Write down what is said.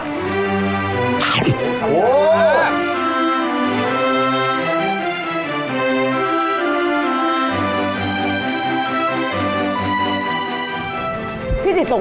ปกโหลดได้ปกโหลด